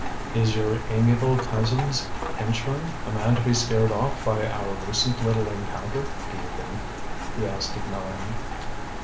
"Is your amiable cousin's henchman a man to be scared off by our recent little encounter, do you think?" he asked of Mélanie.